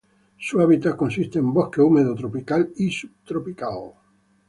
Su hábitat consiste de bosque húmedo tropical y subtropical.